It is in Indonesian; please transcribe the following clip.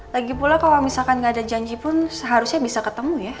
lagi pula kalau misalkan nggak ada janji pun seharusnya bisa ketemu ya